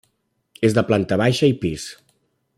És de planta baixa i pis.